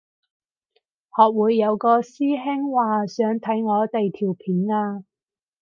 學會有個師兄話想睇我哋條片啊